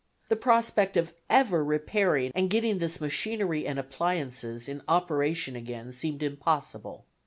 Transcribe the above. The prospect of ever repairing and getting this machinery and appliances in operation again seemed impossible.